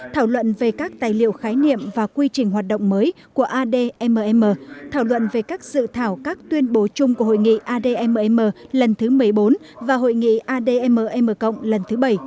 thảo luận về các tài liệu khái niệm và quy trình hoạt động mới của admm thảo luận về các dự thảo các tuyên bố chung của hội nghị admm lần thứ một mươi bốn và hội nghị admm lần thứ bảy